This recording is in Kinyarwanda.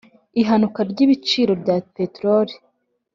Ihananuka ry’ibiciro bya peteroli